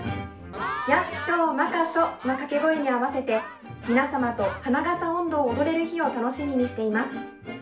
ヤッショ、マカショの掛け声に合わせて皆様と花笠音頭を踊れる日を楽しみにしています。